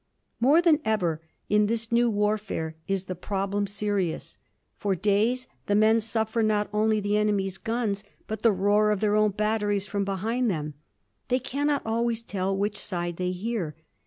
More than ever, in this new warfare, is the problem serious. For days the men suffer not only the enemy's guns but the roar of their own batteries from behind them. They cannot always tell which side they hear.